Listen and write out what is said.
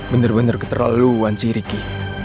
bener bener keterlaluan sih riki